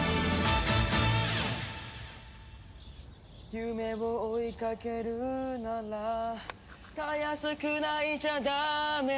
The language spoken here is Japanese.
「夢を追いかけるならたやすく泣いちゃだめさ」